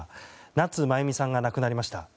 夏まゆみさんが亡くなりました。